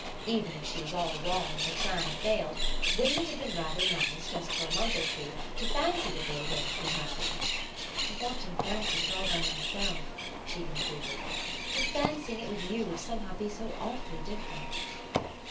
Even if she was all wrong, and her plan failed, wouldn't it have been rather nice, just for a month or two, to fancy they were going to be happy? "I've often fancied it all by myself," she concluded; "but fancying it with you would somehow be so awfully different...."